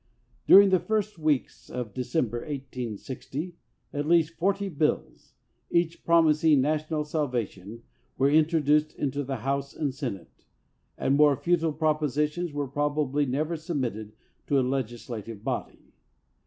During the first weeks of December, 1860, at least forty bills, each promis ing national salvation, were introduced into the House and Senate, and more futile propositions were probably never submitted to a legislative body.